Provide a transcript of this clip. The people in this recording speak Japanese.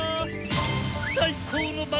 最高の孫！